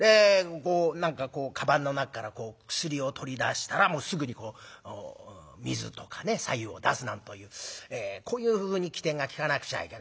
何かこうかばんの中から薬を取り出したらすぐにこう水とかね白湯を出すなんというこういうふうに機転が利かなくちゃいけない。